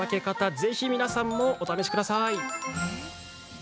ぜひ皆さんもお試しください。